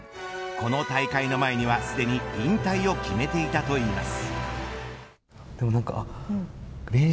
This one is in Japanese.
この大会の前にはすでに引退を決めていたといいます。